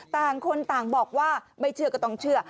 ต่างคนต่างบอกว่าไม่เชื่อก็ต้องเชื่อ